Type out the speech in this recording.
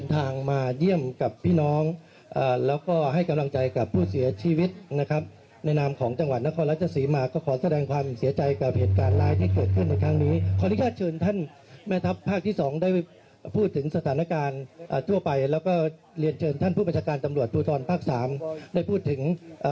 มาเยี่ยมกับพี่น้องแล้วก็ให้กำลังใจกับผู้เสียชีวิตนะครับในนามของจังหวัดนครราชสีมาก็ขอแสดงความเสียใจกับเหตุการณ์ร้ายที่เกิดขึ้นในครั้งนี้ขออนุญาตเชิญท่านแม่ทัพภาคที่สองได้พูดถึงสถานการณ์ทั่วไปแล้วก็เรียนเชิญท่านผู้บัญชาการตำรวจภูทรภาคสามได้พูดถึง